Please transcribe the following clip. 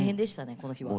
この日は。